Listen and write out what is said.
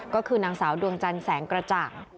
ก็คือนางสาวดวงจันทร์แสงกระจ่าง